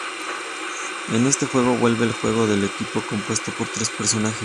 En este juego vuelve el juego de equipo compuesto por tres personajes.